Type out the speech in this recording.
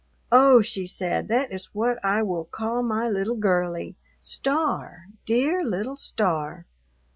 "Oh," she said, "that is what I will call my little girlie, Star, dear little Star."